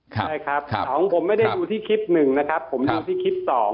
ใช่ครับสองผมไม่ได้ดูที่คลิปหนึ่งนะครับผมดูที่คลิป๒